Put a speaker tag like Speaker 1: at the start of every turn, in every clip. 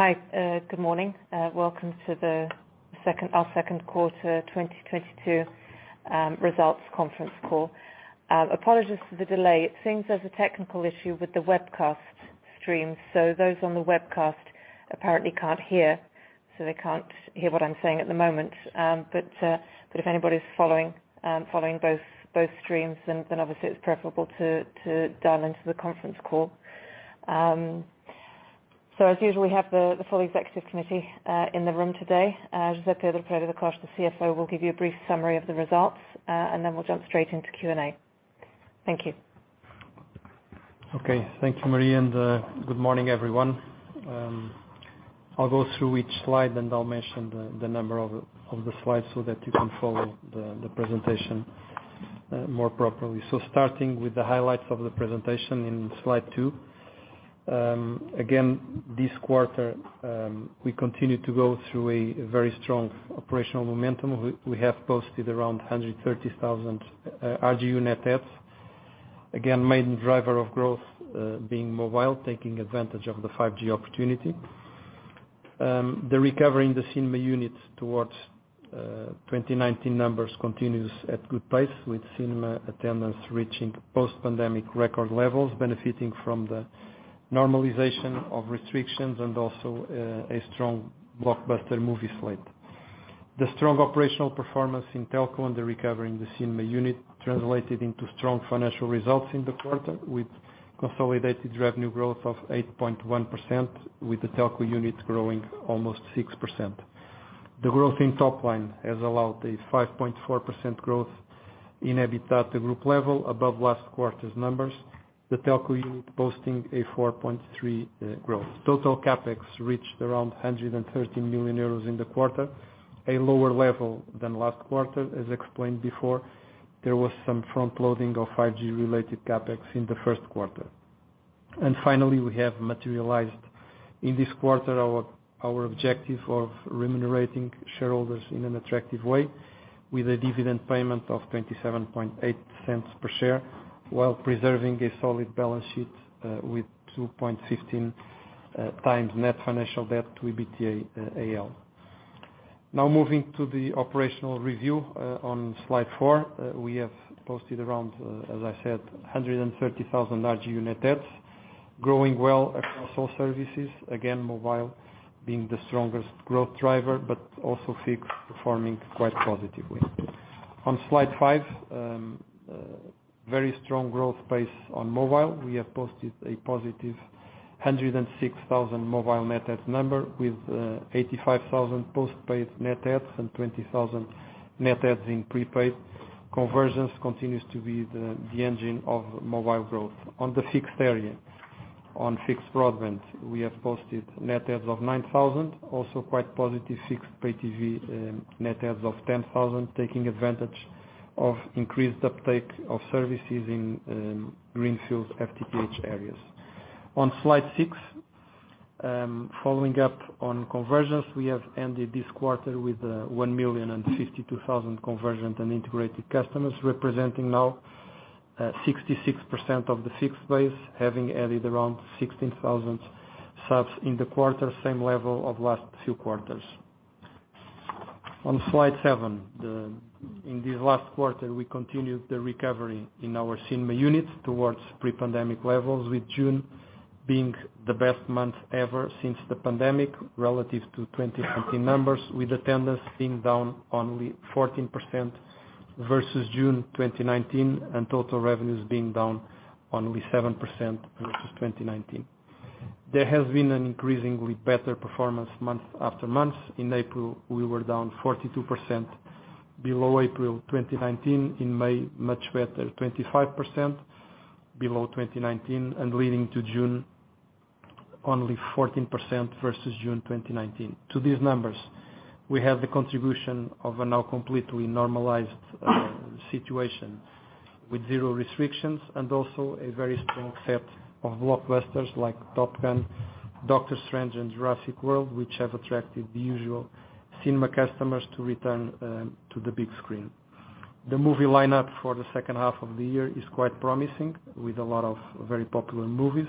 Speaker 1: Hi, good morning. Welcome to our second quarter 2022 results conference call. Apologies for the delay. It seems there's a technical issue with the webcast stream, so those on the webcast apparently can't hear what I'm saying at the moment. If anybody's following both streams, then obviously it's preferable to dial into the conference call. As usual, we have the full executive committee in the room today. José Pedro Pereira da Costa, the CFO, will give you a brief summary of the results, and then we'll jump straight into Q&A. Thank you.
Speaker 2: Okay. Thank you, Maria, and good morning, everyone. I'll go through each slide, and I'll mention the number of the slides so that you can follow the presentation more properly. Starting with the highlights of the presentation in slide two. Again, this quarter, we continue to go through a very strong operational momentum. We have posted around 130,000 RGU net adds. Again, main driver of growth being mobile, taking advantage of the 5G opportunity. The recovery in the cinema units towards 2019 numbers continues at good pace, with cinema attendance reaching post-pandemic record levels, benefiting from the normalization of restrictions and also a strong blockbuster movie slate. The strong operational performance in telco and the recovery in the cinema unit translated into strong financial results in the quarter with consolidated revenue growth of 8.1%, with the telco unit growing almost 6%. The growth in top line has allowed a 5.4% growth in EBITDA at the group level above last quarter's numbers, the telco unit posting a 4.3% growth. Total CapEx reached around 130 million euros in the quarter, a lower level than last quarter. As explained before, there was some front-loading of 5G-related CapEx in the first quarter. Finally, we have materialized in this quarter our objective of remunerating shareholders in an attractive way with a dividend payment of 0.278 per share while preserving a solid balance sheet with 2.15x net financial debt to EBITDA-AL. Now moving to the operational review on slide four. We have posted around, as I said, 130,000 RGU net adds, growing well across all services, again, mobile being the strongest growth driver, but also fixed performing quite positively. On slide five, very strong growth pace on mobile. We have posted a positive 106,000 mobile net add number with 85,000 postpaid net adds and 20,000 net adds in prepaid. Convergence continues to be the engine of mobile growth. On the fixed area, on fixed broadband, we have posted net adds of 9,000, also quite positive fixed Pay TV, net adds of 10,000, taking advantage of increased uptake of services in greenfield FTTH areas. On slide six, following up on convergence, we have ended this quarter with 1,052,000 convergent and integrated customers, representing now 66% of the fixed base, having added around 16,000 subs in the quarter, same level of last few quarters. On slide seven, in this last quarter, we continued the recovery in our cinema units towards pre-pandemic levels, with June being the best month ever since the pandemic relative to 2017 numbers, with attendance being down only 14% versus June 2019 and total revenues being down only 7% versus 2019. There has been an increasingly better performance month after month. In April, we were down 42% below April 2019. In May, much better, 25% below 2019, and leading to June, only 14% versus June 2019. To these numbers, we have the contribution of a now completely normalized situation with zero restrictions and also a very strong set of blockbusters like Top Gun: Maverick, Doctor Strange in the Multiverse of Madness, and Jurassic World, which have attracted the usual cinema customers to return to the big screen. The movie lineup for the second half of the year is quite promising with a lot of very popular movies.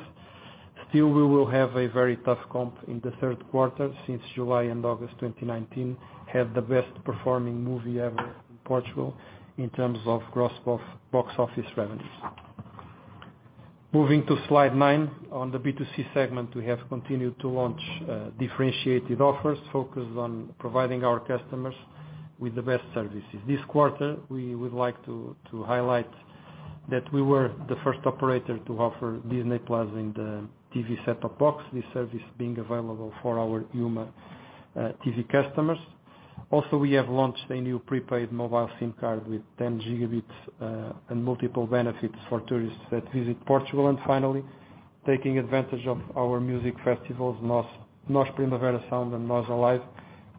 Speaker 2: Still, we will have a very tough comp in the third quarter since July and August 2019 had the best performing movie ever in Portugal in terms of gross box office revenues. Moving to slide nine. On the B2C segment, we have continued to launch differentiated offers focused on providing our customers with the best services. This quarter, we would like to highlight that we were the first operator to offer Disney+ in the TV set-top box, this service being available for our UMA TV customers. Also, we have launched a new prepaid mobile SIM card with 10 Gb and multiple benefits for tourists that visit Portugal. Finally, taking advantage of our music festivals, NOS Primavera Sound and NOS Alive,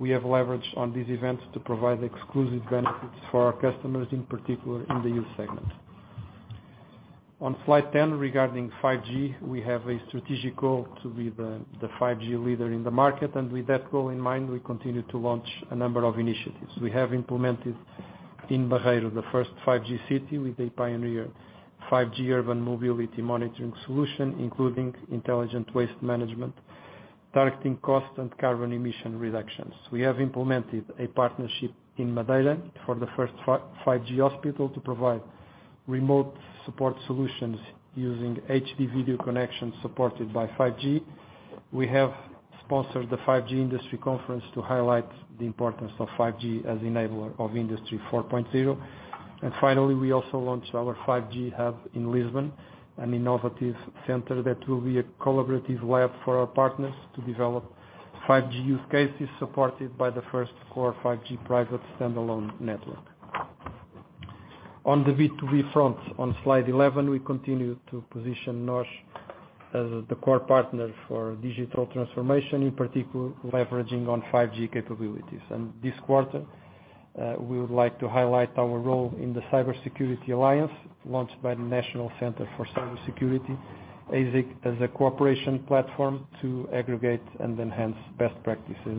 Speaker 2: we have leveraged on these events to provide exclusive benefits for our customers, in particular in the youth segment. On slide 10, regarding 5G, we have a strategic goal to be the 5G leader in the market, and with that goal in mind, we continue to launch a number of initiatives. We have implemented in Barreiro, the first 5G city with a pioneer 5G urban mobility monitoring solution, including intelligent waste management, targeting cost and carbon emission reductions. We have implemented a partnership in Madeira for the first 5G hospital to provide remote support solutions using HD video connections supported by 5G. We have sponsored the 5G Industry Conference to highlight the importance of 5G as enabler of Industry 4.0. Finally, we also launched our 5G hub in Lisbon, an innovative center that will be a collaborative lab for our partners to develop 5G use cases supported by the first core 5G private standalone network. On the B2B front, on slide 11, we continue to position NOS as the core partner for digital transformation, in particular, leveraging on 5G capabilities. This quarter, we would like to highlight our role in the Cybersecurity Alliance, launched by the National Cybersecurity Centre, as a cooperation platform to aggregate and enhance best practices.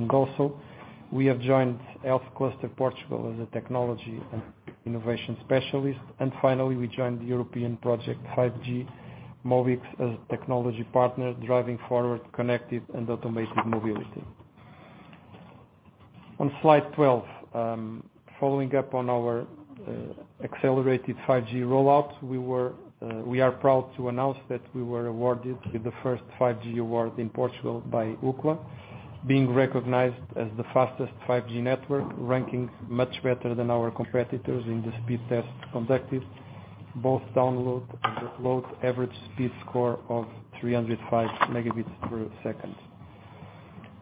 Speaker 2: We have joined Health Cluster Portugal as a technology and innovation specialist. We joined the European project 5G-MOBIX as a technology partner, driving forward connected and automated mobility. On slide 12, following up on our accelerated 5G rollout, we are proud to announce that we were awarded with the first 5G award in Portugal by Ookla, being recognized as the fastest 5G network, ranking much better than our competitors in the speed test conducted, both download and upload average speed score of 305 Mbps.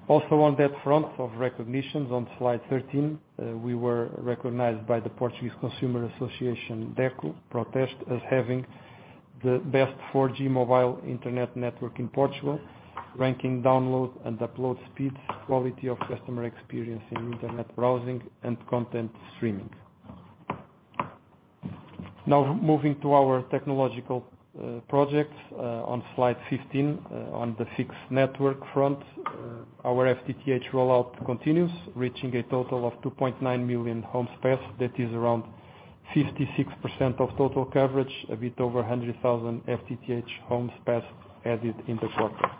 Speaker 2: Also on that front of recognitions on slide 13, we were recognized by the Portuguese Consumer Association, DECO PROTESTE, as having the best 4G mobile internet network in Portugal, ranking download and upload speeds, quality of customer experience in internet browsing and content streaming. Now, moving to our technological projects, on slide 15, on the fixed network front, our FTTH rollout continues, reaching a total of 2.9 million homes passed. That is around 56% of total coverage, a bit over 100,000 FTTH homes passed, added in the quarter.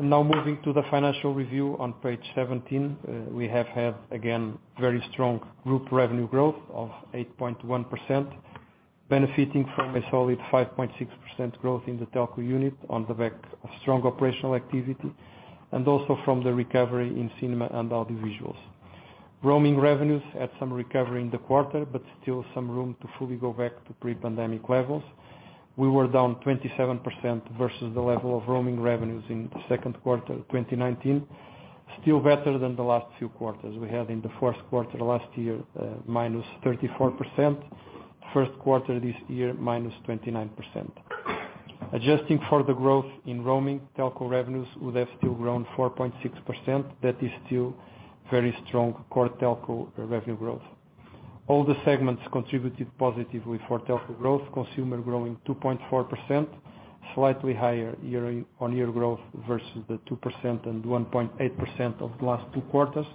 Speaker 2: Now moving to the financial review on page 17, we have had, again, very strong group revenue growth of 8.1%, benefiting from a solid 5.6% growth in the telco unit on the back of strong operational activity, and also from the recovery in cinema and audiovisuals. Roaming revenues had some recovery in the quarter, but still some room to fully go back to pre-pandemic levels. We were down 27% versus the level of roaming revenues in the second quarter of 2019. Still better than the last few quarters. We had in the first quarter last year, -34%. First quarter this year, -29%. Adjusting for the growth in roaming, telco revenues would have still grown 4.6%. That is still very strong core telco revenue growth. All the segments contributed positively for telco growth, consumer growing 2.4%, slightly higher year-on-year growth versus the 2% and 1.8% of the last two quarters,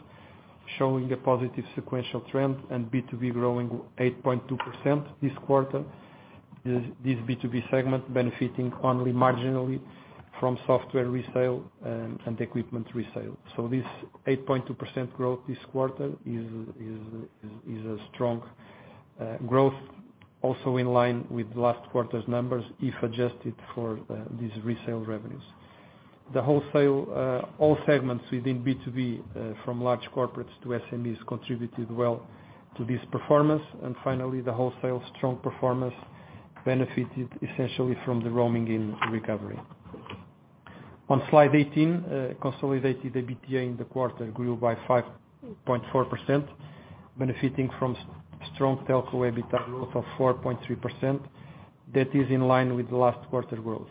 Speaker 2: showing a positive sequential trend and B2B growing 8.2% this quarter. This B2B segment benefiting only marginally from software resale and equipment resale. This 8.2% growth this quarter is a strong growth also in line with last quarter's numbers if adjusted for these resale revenues. The wholesale all segments within B2B from large corporates to SMEs contributed well to this performance. Finally, the wholesale strong performance benefited essentially from the roaming income recovery. On slide 18, consolidated EBITDA in the quarter grew by 5.4%, benefiting from strong telco EBITDA growth of 4.3%. That is in line with the last quarter growth.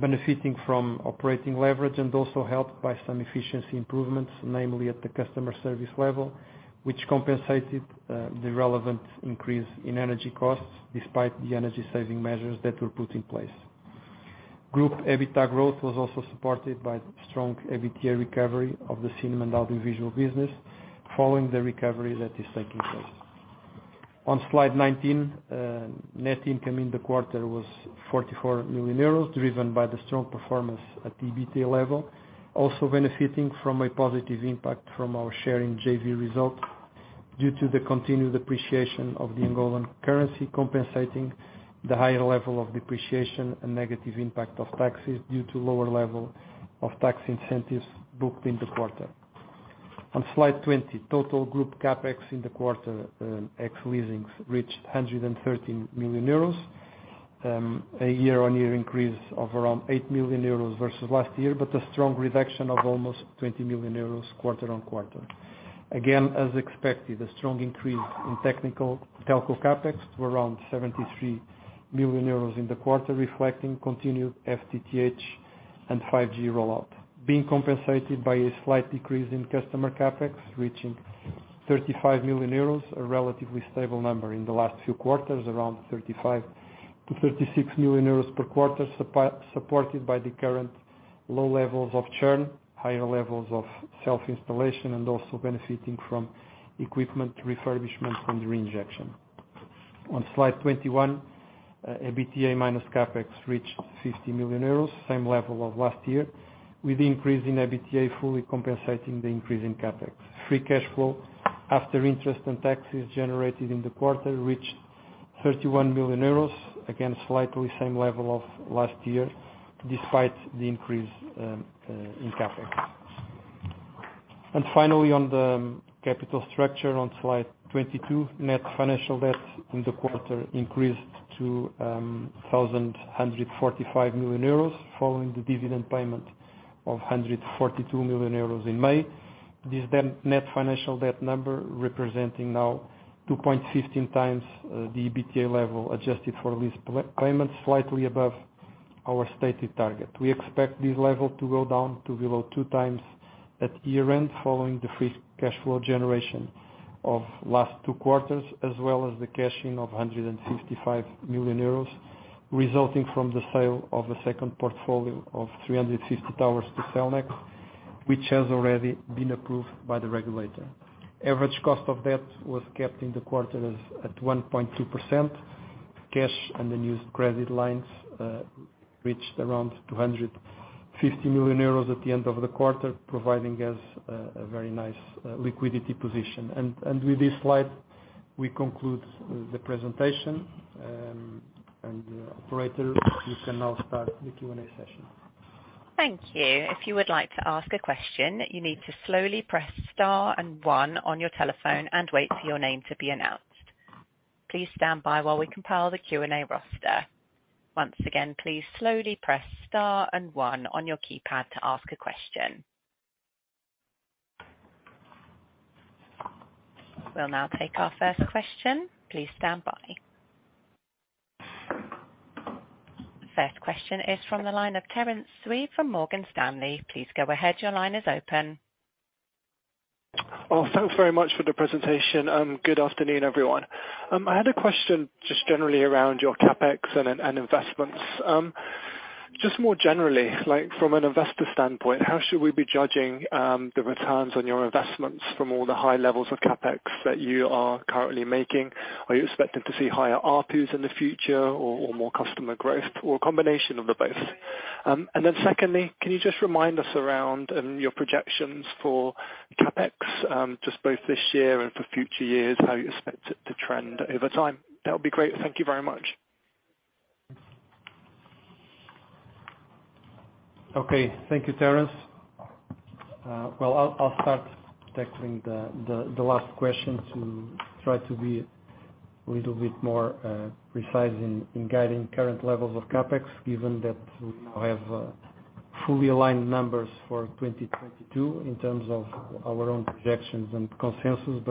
Speaker 2: Benefiting from operating leverage and also helped by some efficiency improvements, namely at the customer service level, which compensated the relevant increase in energy costs despite the energy saving measures that were put in place. Group EBITDA growth was also supported by strong EBITDA recovery of the cinema and audiovisual business following the recovery that is taking place. On slide 19, net income in the quarter was 44 million euros, driven by the strong performance at the EBITDA level, also benefiting from a positive impact from our share in JV results due to the continued appreciation of the Angolan currency compensating the higher level of depreciation and negative impact of taxes due to lower level of tax incentives booked in the quarter. On slide 20, total group CapEx in the quarter, ex leasings, reached 113 million euros, a year-on-year increase of around 8 million euros versus last year. A strong reduction of almost 20 million euros quarter-on-quarter. Again, as expected, a strong increase in technical telco CapEx to around 73 million euros in the quarter, reflecting continued FTTH and 5G rollout, being compensated by a slight decrease in customer CapEx reaching 35 million euros, a relatively stable number in the last few quarters, around 35 million-36 million euros per quarter, supported by the current low levels of churn, higher levels of self-installation, and also benefiting from equipment refurbishment from the re-injection. On slide 21, EBITDA minus CapEx reached 50 million euros, same level as last year, with increase in EBITDA fully compensating the increase in CapEx. Free cash flow after interest and taxes generated in the quarter reached 31 million euros, again, slightly same level of last year despite the increase in CapEx. On the capital structure on slide 22, net financial debt in the quarter increased to 1,145 million euros, following the dividend payment of 142 million euros in May. Net financial debt number representing now 2.15x the EBITDA level, adjusted for lease payments, slightly above our stated target. We expect this level to go down to below 2x at year-end, following the free cash flow generation of last two quarters, as well as the cashing of 155 million euros, resulting from the sale of a second portfolio of 350 towers to Cellnex, which has already been approved by the regulator. Average cost of debt was kept in the quarter as at 1.2%. Cash and the new credit lines reached around 250 million euros at the end of the quarter, providing us a very nice liquidity position. With this slide, we conclude the presentation. Operator, you can now start the Q&A session.
Speaker 3: Thank you. If you would like to ask a question, you need to slowly press star and one on your telephone and wait for your name to be announced. Please stand by while we compile the Q&A roster. Once again, please slowly press star and one on your keypad to ask a question. We'll now take our first question. Please stand by. First question is from the line of Terence Tsui from Morgan Stanley. Please go ahead. Your line is open.
Speaker 4: Well, thanks very much for the presentation, and good afternoon, everyone. I had a question just generally around your CapEx and investments. Just more generally, like from an investor standpoint, how should we be judging the returns on your investments from all the high levels of CapEx that you are currently making? Are you expecting to see higher ARPU in the future or more customer growth, or a combination of the both? Secondly, can you just remind us around your projections for CapEx, just both this year and for future years, how you expect it to trend over time? That would be great. Thank you very much.
Speaker 2: Okay. Thank you, Terence. Well, I'll start tackling the last question to try to be a little bit more precise in guiding current levels of CapEx, given that we now have fully aligned numbers for 2022 in terms of our own projections and consensus.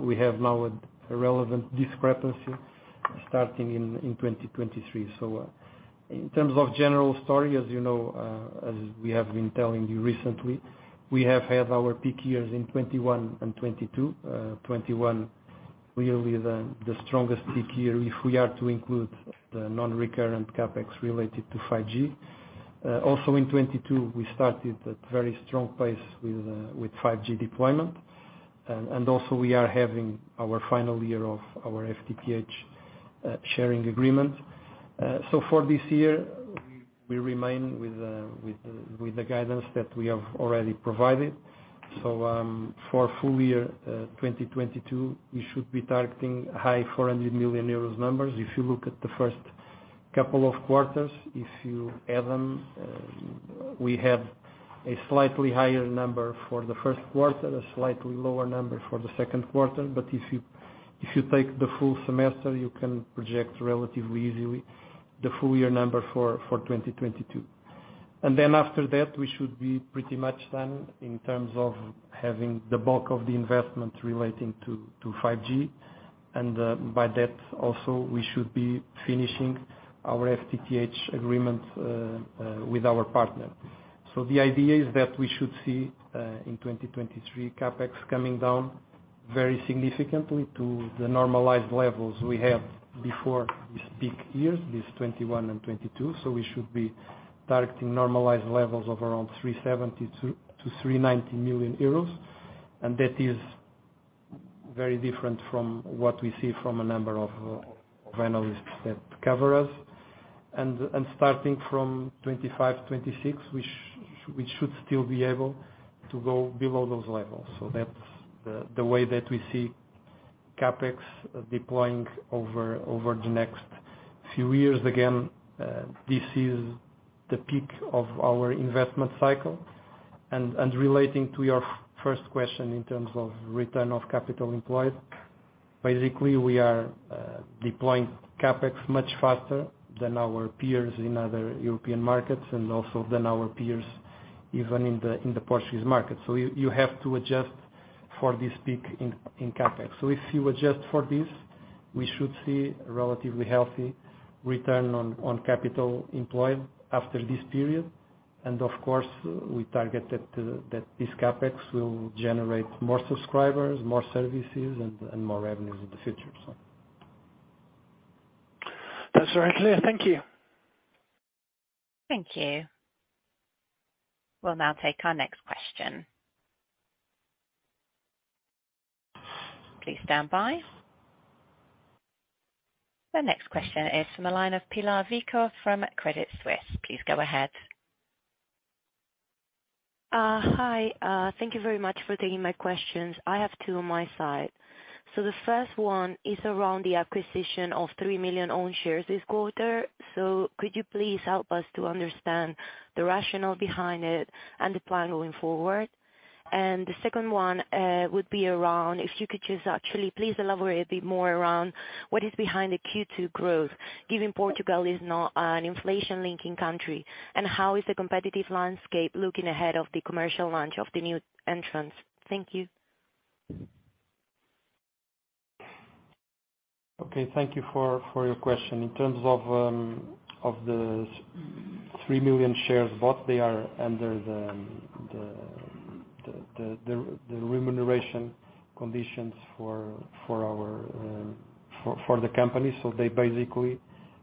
Speaker 2: We have now a relevant discrepancy starting in 2023. In terms of general story, as you know, as we have been telling you recently, we have had our peak years in 2021 and 2022. 2021 really the strongest peak year, if we are to include the non-recurrent CapEx related to 5G. Also in 2022, we started at very strong pace with 5G deployment. And also we are having our final year of our FTTH sharing agreement. For this year we remain with the guidance that we have already provided. For full year 2022, we should be targeting high 400 million euros numbers. If you look at the first couple of quarters, if you add them, we have a slightly higher number for the first quarter, a slightly lower number for the second quarter. If you take the full semester, you can project relatively easily the full year number for 2022. Then after that, we should be pretty much done in terms of having the bulk of the investment relating to 5G. By that also, we should be finishing our FTTH agreement with our partner. The idea is that we should see in 2023, CapEx coming down very significantly to the normalized levels we have before this peak years, 2021 and 2022. We should be targeting normalized levels of around 370 million-390 million euros. That is very different from what we see from a number of analysts that cover us. Starting from 2025, 2026, we should still be able to go below those levels. That's the way that we see CapEx deploying over the next few years. Again, this is the peak of our investment cycle. Relating to your first question in terms of return of capital employed, basically we are deploying CapEx much faster than our peers in other European markets and also than our peers even in the Portuguese market. You have to adjust for this peak in CapEx. If you adjust for this, we should see a relatively healthy return on capital employed after this period. Of course, we target that this CapEx will generate more subscribers, more services and more revenues in the future.
Speaker 4: That's very clear. Thank you.
Speaker 3: Thank you. We'll now take our next question. Please stand by. The next question is from the line of Pilar Vico from Credit Suisse. Please go ahead.
Speaker 5: Hi. Thank you very much for taking my questions. I have two on my side. The first one is around the acquisition of 3 million own shares this quarter. Could you please help us to understand the rationale behind it and the plan going forward? The second one would be around if you could just actually please elaborate a bit more around what is behind the Q2 growth, given Portugal is not an inflation-linking country, and how is the competitive landscape looking ahead of the commercial launch of the new entrants? Thank you.
Speaker 2: Okay. Thank you for your question. In terms of the 3 million shares, what they are under the remuneration conditions for our company. They basically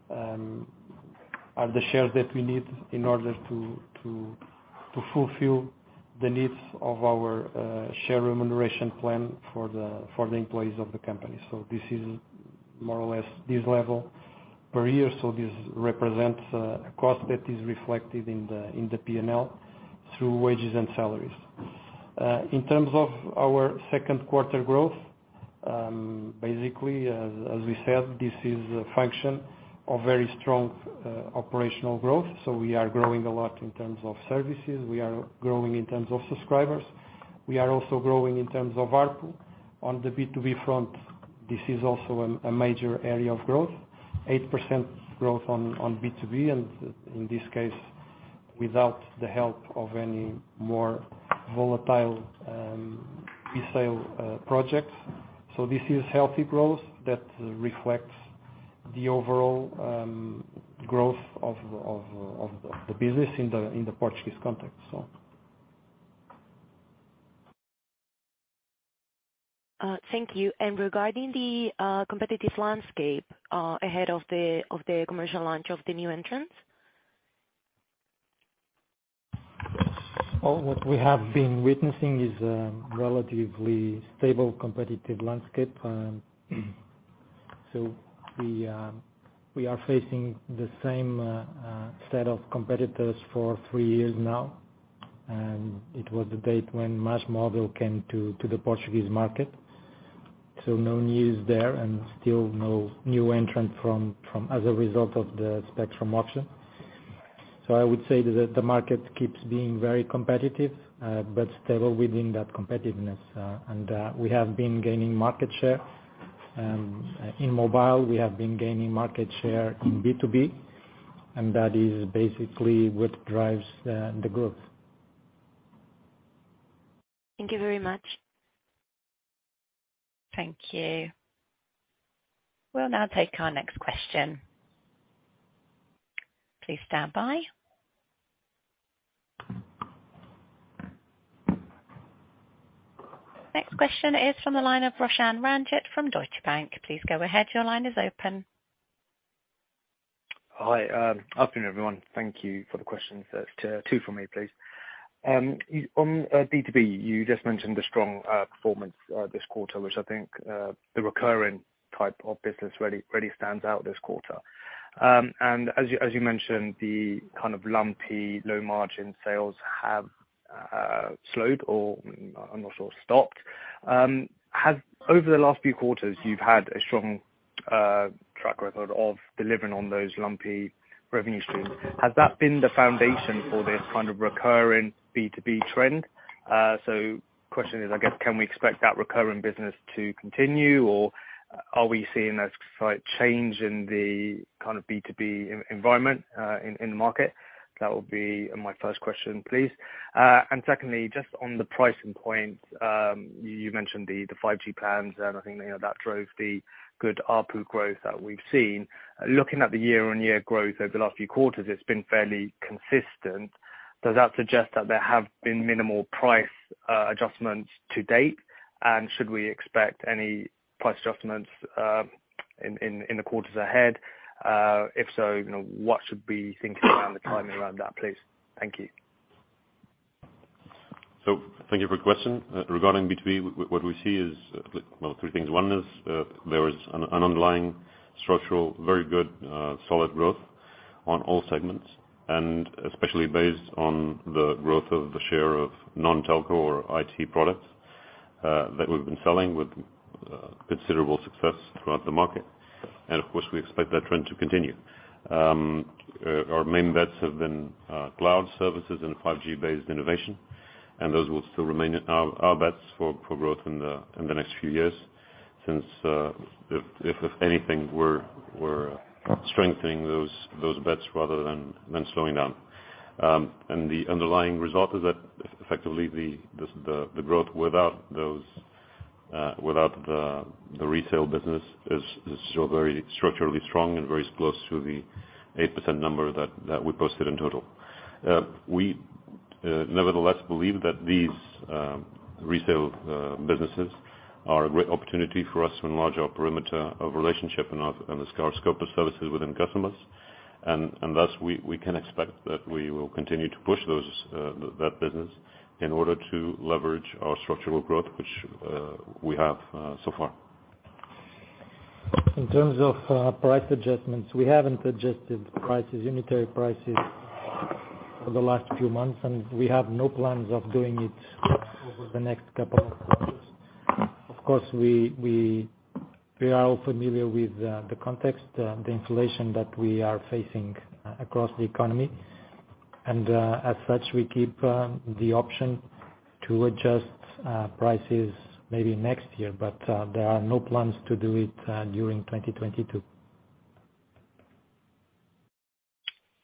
Speaker 2: are the shares that we need in order to fulfill the needs of our share remuneration plan for the employees of the company. This is more or less this level per year. This represents a cost that is reflected in the P&L through wages and salaries. In terms of our second quarter growth, basically as we said, this is a function of very strong operational growth. We are growing a lot in terms of services. We are growing in terms of subscribers. We are also growing in terms of ARPU. On the B2B front, this is also a major area of growth. 8% growth on B2B and in this case, without the help of any more volatile resale projects. This is healthy growth that reflects the overall growth of the business in the Portuguese context.
Speaker 5: Thank you. Regarding the competitive landscape ahead of the commercial launch of the new entrants?
Speaker 2: Well, what we have been witnessing is relatively stable, competitive landscape. We are facing the same set of competitors for three years now, and it was the date when MásMóvil came to the Portuguese market. No news there and still no new entrant from as a result of the spectrum auction. I would say that the market keeps being very competitive, but stable within that competitiveness. We have been gaining market share in mobile, we have been gaining market share in B2B, and that is basically what drives the growth.
Speaker 5: Thank you very much.
Speaker 3: Thank you. We'll now take our next question. Please stand by. Next question is from the line of Roshan Ranjit from Deutsche Bank. Please go ahead. Your line is open.
Speaker 6: Hi. Afternoon, everyone. Thank you for the questions. Two from me, please. On B2B, you just mentioned the strong performance this quarter, which I think the recurring type of business really stands out this quarter. As you mentioned, the kind of lumpy low margin sales have slowed or I'm not sure, stopped. Have over the last few quarters, you've had a strong track record of delivering on those lumpy revenue streams. Has that been the foundation for this kind of recurring B2B trend? Question is, I guess, can we expect that recurring business to continue, or are we seeing a slight change in the kind of B2B environment in the market? That would be my first question, please. Secondly, just on the pricing point, you mentioned the 5G plans, and I think, you know, that drove the good ARPU growth that we've seen. Looking at the year-on-year growth over the last few quarters, it's been fairly consistent. Does that suggest that there have been minimal price adjustments to date? Should we expect any price adjustments in the quarters ahead? If so, you know, what should we be thinking around the timing around that, please? Thank you.
Speaker 2: Thank you for your question. Regarding B2B, what we see is, well, three things. One is, there is an underlying structural, very good, solid growth on all segments. Especially based on the growth of the share of non-telco or IT products, that we've been selling with, considerable success throughout the market. Of course, we expect that trend to continue. Our main bets have been, cloud services and 5G-based innovation, and those will still remain our bets for growth in the next few years. Since, if anything, we're strengthening those bets rather than slowing down. The underlying result is that effectively the growth without the retail business is still very structurally strong and very close to the 8% number that we posted in total. Nevertheless, believe that these resale businesses are a great opportunity for us to enlarge our perimeter of relationship and the scope of services within customers. Thus we can expect that we will continue to push that business in order to leverage our structural growth, which we have so far. In terms of price adjustments, we haven't adjusted prices, unitary prices for the last few months, and we have no plans of doing it over the next couple of quarters. Of course, we are all familiar with the context, the inflation that we are facing across the economy, and as such, we keep the option to adjust prices maybe next year, but there are no plans to do it during 2022.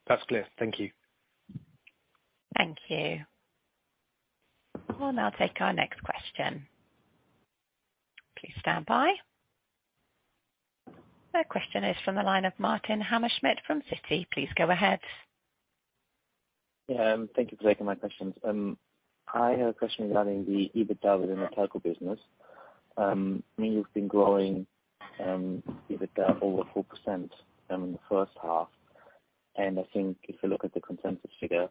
Speaker 6: That's clear. Thank you.
Speaker 3: Thank you. We'll now take our next question. Please stand by. Our question is from the line of Martin Hammerschmidt from Citi. Please go ahead.
Speaker 7: Yeah. Thank you for taking my questions. I have a question regarding the EBITDA within the telecom business. I mean, you've been growing EBITDA over 4% in the first half, and I think if you look at the consensus figure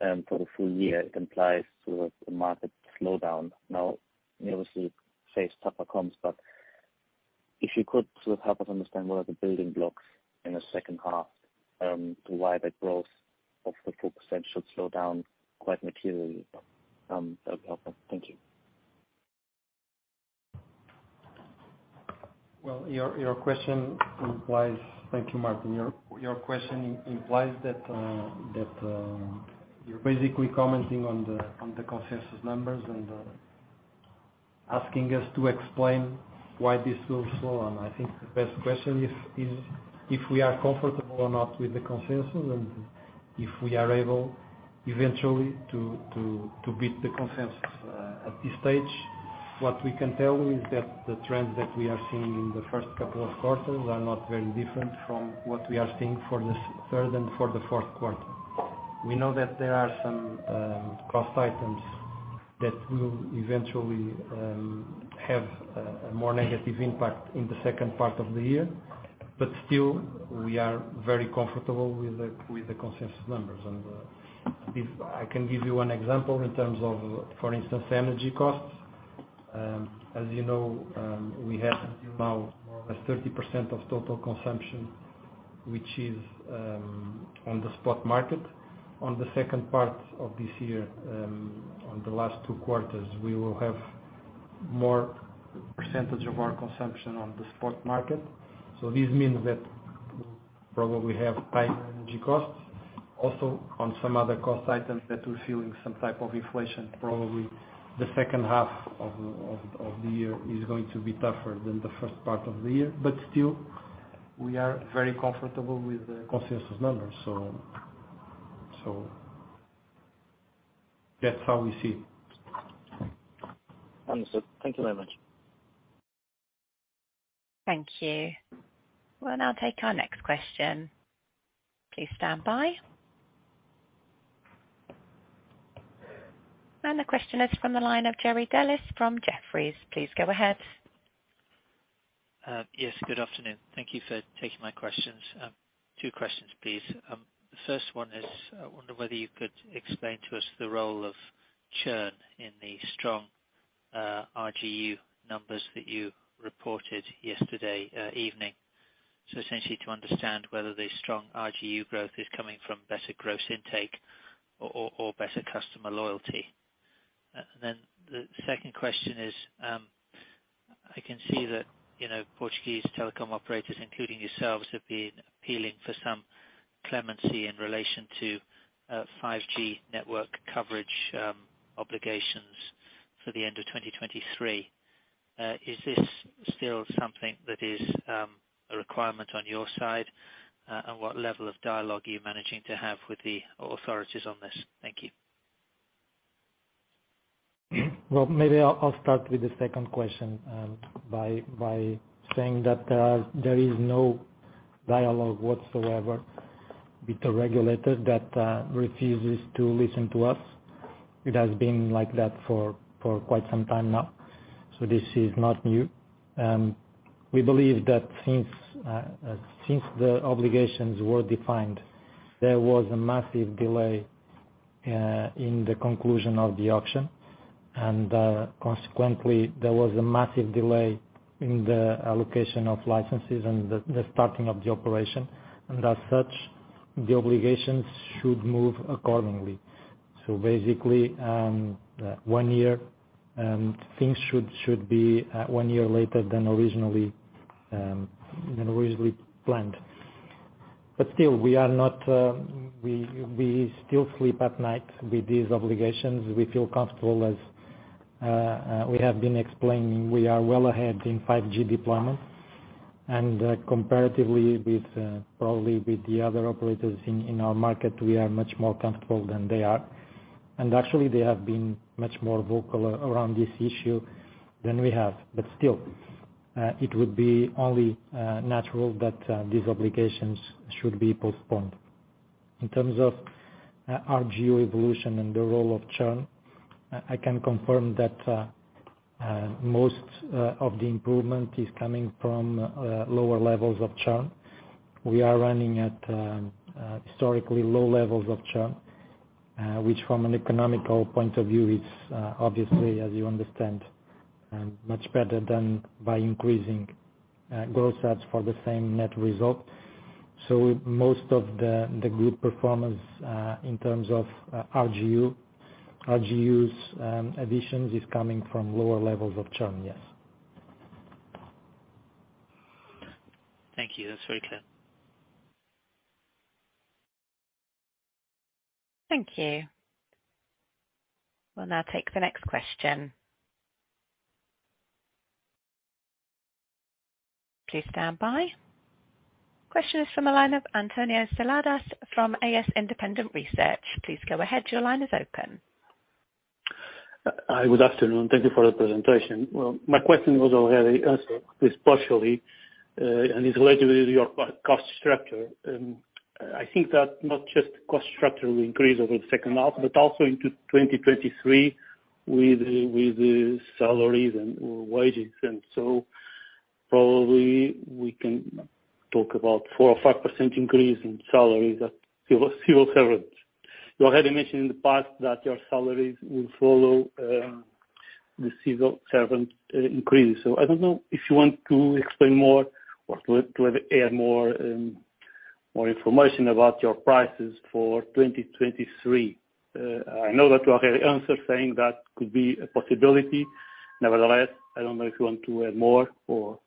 Speaker 7: for the full year, it implies sort of a market slowdown. Now, you obviously face tougher comps, but if you could sort of help us understand what are the building blocks in the second half to why that growth of the 4% should slow down quite materially. That would help me. Thank you.
Speaker 2: Thank you, Martin. Your question implies that you're basically commenting on the consensus numbers and asking us to explain why this will slow. I think the best question is if we are comfortable or not with the consensus and if we are able eventually to beat the consensus at this stage. What we can tell is that the trends that we are seeing in the first couple of quarters are not very different from what we are seeing for the third and for the fourth quarter. We know that there are some cost items that will eventually have a more negative impact in the second part of the year, but still, we are very comfortable with the consensus numbers. If I can give you one example in terms of, for instance, energy costs. As you know, we have now more or less 30% of total consumption, which is on the spot market. On the second part of this year, on the last two quarters, we will have more percentage of our consumption on the spot market. This means that we'll probably have higher energy costs. Also, on some other cost items that we're feeling some type of inflation, probably the second half of the year is going to be tougher than the first part of the year. Still, we are very comfortable with the consensus numbers. That's how we see it.
Speaker 7: Understood. Thank you very much.
Speaker 3: Thank you. We'll now take our next question. Please stand by. The question is from the line of Jerry Dellis from Jefferies. Please go ahead.
Speaker 8: Yes. Good afternoon. Thank you for taking my questions. Two questions, please. The first one is, I wonder whether you could explain to us the role of churn in the strong RGU numbers that you reported yesterday evening. Essentially to understand whether the strong RGU growth is coming from better gross intake or better customer loyalty. And then the second question is, I can see that, you know, Portuguese telecom operators, including yourselves, have been appealing for some clemency in relation to 5G network coverage obligations for the end of 2023. Is this still something that is a requirement on your side? And what level of dialogue are you managing to have with the authorities on this? Thank you.
Speaker 2: Well, maybe I'll start with the second question, by saying that there is no dialogue whatsoever with the regulator that refuses to listen to us. It has been like that for quite some time now, so this is not new. We believe that since the obligations were defined, there was a massive delay in the conclusion of the auction. Consequently, there was a massive delay in the allocation of licenses and the starting of the operation, and as such, the obligations should move accordingly. Basically, one year things should be one year later than originally planned. Still, we are not, we still sleep at night with these obligations. We feel comfortable as we have been explaining, we are well ahead in 5G deployment. Comparatively with probably the other operators in our market, we are much more comfortable than they are. Actually, they have been much more vocal around this issue than we have, but still, it would be only natural that these obligations should be postponed. In terms of RGU evolution and the role of churn, I can confirm that most of the improvement is coming from lower levels of churn. We are running at historically low levels of churn, which from an economic point of view is obviously, as you understand, much better than by increasing growth rates for the same net result. Most of the good performance in terms of RGUs additions is coming from lower levels of churn, yes.
Speaker 8: Thank you. That's very clear.
Speaker 3: Thank you. We'll now take the next question. Please stand by. Question is from a line of António Seladas from AS Independent Research. Please go ahead. Your line is open.
Speaker 9: Hi, good afternoon. Thank you for the presentation. Well, my question was already answered at least partially, and it's related with your cost structure. I think that not just cost structure will increase over the second half, but also into 2023 with the salaries and wages. So probably we can talk about 4% or 5% increase in salaries that civil servants. You already mentioned in the past that your salaries will follow the civil servant increase. I don't know if you want to explain more or to add more information about your prices for 2023. I know that you already answered saying that could be a possibility. Nevertheless, I don't know if you want to add more or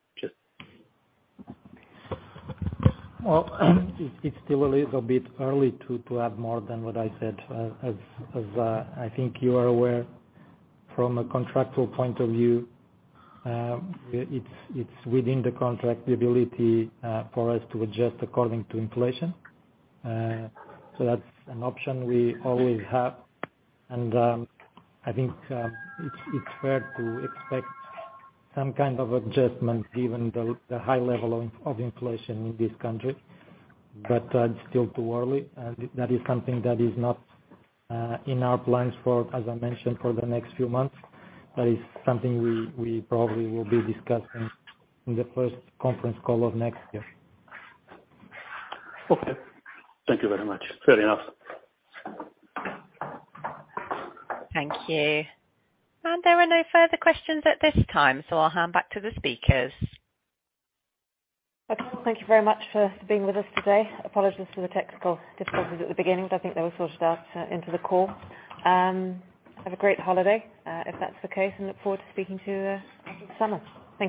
Speaker 9: just.
Speaker 2: Well, it's still a little bit early to add more than what I said. As I think you are aware from a contractual point of view, it's within the contract, the ability for us to adjust according to inflation. So that's an option we always have, and I think it's fair to expect some kind of adjustment given the high level of inflation in this country. It's still too early. That is something that is not in our plans for, as I mentioned, for the next few months. That is something we probably will be discussing in the first conference call of next year.
Speaker 9: Okay. Thank you very much. Fair enough.
Speaker 3: Thank you. There are no further questions at this time, so I'll hand back to the speakers.
Speaker 1: Okay. Thank you very much for being with us today. Apologies for the technical difficulties at the beginning, but I think they were sorted out into the call. Have a great holiday, if that's the case, and look forward to speaking to you next summer.